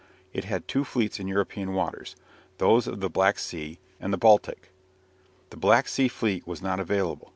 It had two fleets in European waters, those of the Black Sea and the Baltic. The Black Sea fleet was not available.